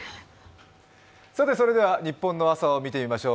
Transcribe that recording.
ニッポンの朝を見てみましょう。